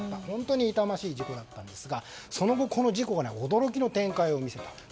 本当に痛ましい事故だったんですがその後、この事故が驚きの展開を見せた。